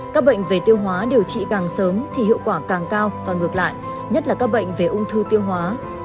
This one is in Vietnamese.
các bệnh về tiêu hóa điều trị càng sớm thì hiệu quả càng cao và ngược lại nhất là các bệnh về ung thư tiêu hóa